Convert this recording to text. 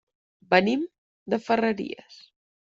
Venim de Ferreries.